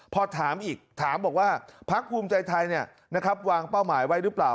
พอถามอีกถามบอกว่าพักภูมิใจไทยวางเป้าหมายไว้หรือเปล่า